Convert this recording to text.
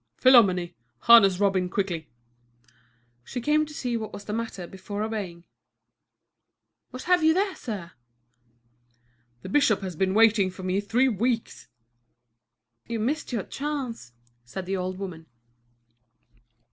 "Philomène, harness Robin quickly." She came to see what was the matter before obeying. "What have you there, sir?" "The bishop has been waiting for me three weeks!" "You've missed your chance," said the old woman.